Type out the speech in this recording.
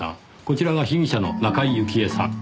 こちらが被疑者の中井雪絵さん。